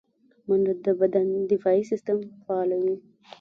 منډه د بدن دفاعي سیستم فعالوي